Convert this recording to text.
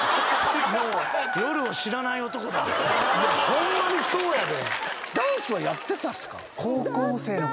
ホンマにそうやで。